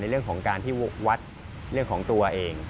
เรื่องของการที่วัดเรื่องของตัวเอง